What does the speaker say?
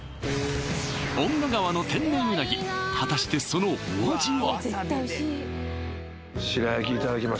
遠賀川の天然うなぎ果たしてそのお味は？